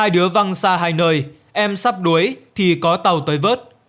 hai đứa văng xa hai nơi em sắp đuối thì có tàu tới vớt